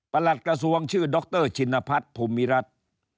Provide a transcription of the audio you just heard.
ปรัสกระทรวงชื่อดรชินพัฐภูมิรัตน์